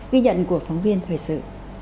ghi nhận của phóng viên thời sự